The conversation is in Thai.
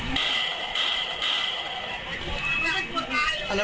คนละม้วนผมบ้าง